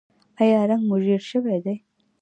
ایا رنګ مو ژیړ شوی دی؟